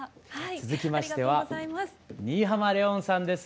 続きましては新浜レオンさんです。